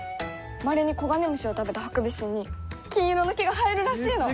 まれにコガネムシを食べたハクビシンに金色の毛が生えるらしいの！